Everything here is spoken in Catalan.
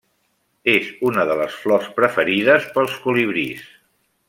És una de les flors preferides pels colibrís.